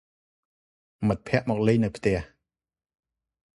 មិត្តភក្តិមកលេងនៅផ្ទះ។